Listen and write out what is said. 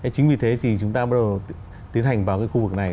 chính vì thế thì chúng ta bắt đầu tiến hành vào cái khu vực này